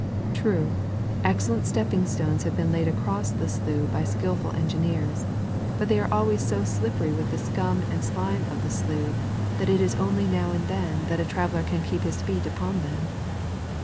True, excellent stepping stones have been laid across the slough by skilful engineers, but they are always so slippery with the scum and slime of the slough, that it is only now and then that a traveller can keep his feet upon them.